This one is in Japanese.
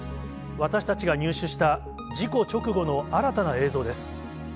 私たちが入手した事故直後の新たな映像です。